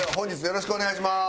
よろしくお願いします。